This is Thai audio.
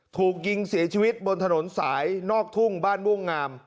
ถูกยิงเสียชีวิตบนถนนสายนอกทุ่งบ้านม่วงงาม